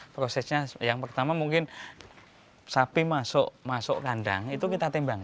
prosesnya yang pertama mungkin sapi masuk kandang itu kita timbang